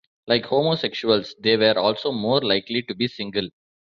Like homosexuals, they were also more likely to be single.